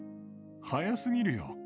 早すぎるよ。